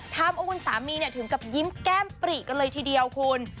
ทำเอาคุณสามีถึงกับยิ้มแก้มปรีกันเลยทีเดียวคุณ